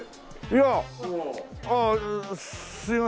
いやああすいません。